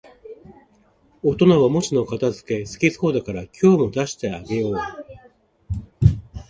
大人はおもちゃの片づけ好きそうだから、今日も出しておいてあげよう